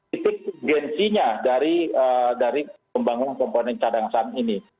itu urgensinya dari pembangun komponen cadangan ini